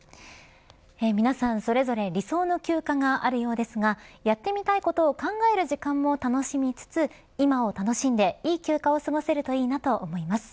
皆さん、それぞれ理想の休暇があるようですがやってみたいことを考える時間も楽しみつつ今を楽しんで、いい休暇を過ごせるといいなと思います。